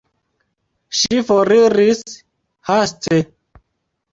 Ŝi foriris haste.